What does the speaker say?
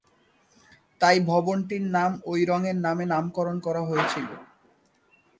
তাই ভবনটির নাম ঐ রংয়ের নামে নামকরণ করা হয়েছিল।